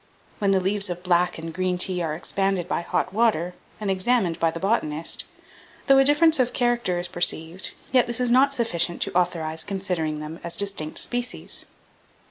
When the leaves of black and green tea are expanded by hot water, and examined by the botanist, though a difference of character is perceived, yet this is not sufficient to authorize considering them as distinct species.